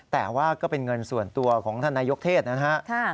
แต่ว่าก็เป็นเงินส่วนตัวของท่านนายกเทศนะครับ